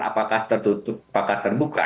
apakah tertutup atau terbuka